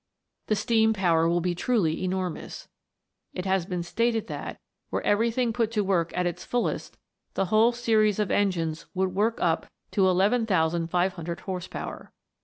The steam power will be truly enormous; it has been stated that, were everything put to work at its fullest, the whole series of engines would work up to 11,500 horse power.